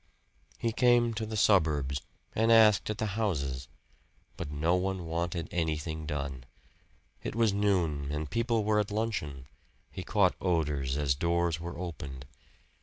He came to the suburbs and asked at the houses. But no one wanted anything done. It was noon and people were at luncheon he caught odors as doors were opened.